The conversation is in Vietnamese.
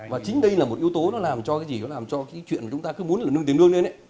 và chính đây là một yếu tố nó làm cho cái gì nó làm cho cái chuyện mà chúng ta cứ muốn là nâng tiền lương lên ấy